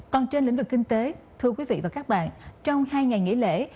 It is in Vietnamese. còn trên lĩnh vực kinh tế thưa quý vị và các bạn trong hai ngày nghỉ lễ